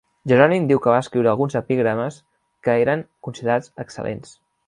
Jerònim diu que va escriure alguns epigrames que eren considerats excel·lents.